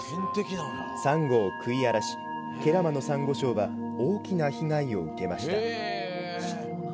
サンゴを食い荒らし慶良間のサンゴ礁は大きな被害を受けました。